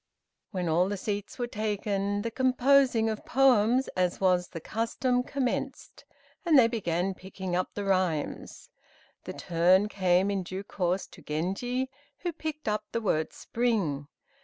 When all the seats were taken the composing of poems, as was the custom, commenced, and they began picking up the rhymes. The turn came in due course to Genji, who picked up the word spring.